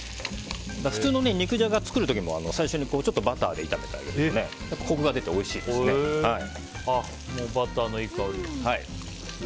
普通の肉じゃが作る時も最初にバターで炒めてあげるとバターのいい香り。